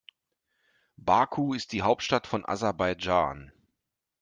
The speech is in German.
Baku ist die Hauptstadt von Aserbaidschan.